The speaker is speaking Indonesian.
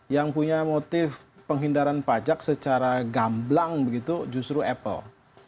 yang punya motif penghindaran pajak secara gamblang begitu justru apple